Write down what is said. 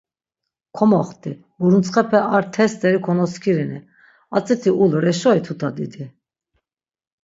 Komoxti, muruntsxepe ar te steri konoskirini, atziti ulur eşoi tutadidi?